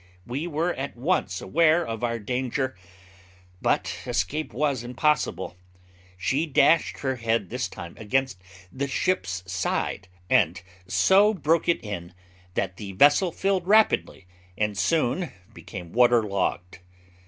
We were at once aware of our danger, but escape was impossible. She dashed her head this time against the ship's side, and so broke it in that the vessel filled rapidly, and soon became water logged.